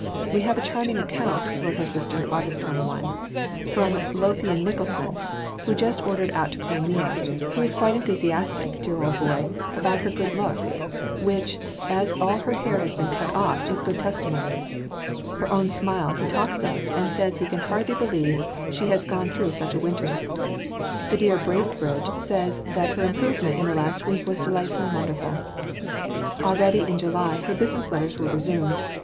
"We have a charming account," wrote her sister (Aug. 21), "from Lothian Nicholson just ordered out to Crimea, who is quite enthusiastic, dear old boy, about her good looks, which, as all her hair has been cut off, is good testimony 'her own smile,' he talks of, and says he can hardly believe she has gone through such a winter. The dear Bracebridges say that her improvement in the last week was delightful and wonderful." Already, in July, her business letters were resumed.